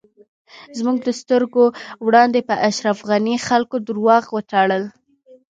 زموږ د سترږو وړاندی په اشرف غنی خلکو درواغ وتړل